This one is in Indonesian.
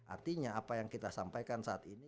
artinya apa yang kita sampaikan saat ini